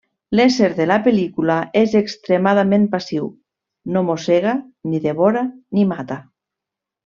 L'ésser de la pel·lícula és extremadament passiu: no mossega, ni devora, ni mata.